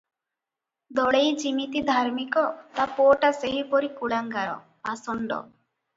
ଦଳେଇ ଯିମିତି ଧାର୍ମିକ, ତା ପୁଅଟା ସେହିପରି କୁଳାଙ୍ଗାର, ପାଷଣ୍ଡ ।